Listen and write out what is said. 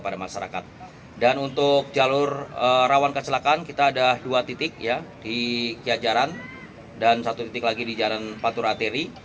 dan untuk jalur rawan kecelakaan kita ada dua titik ya di kiajaran dan satu titik lagi di jalan pantura teri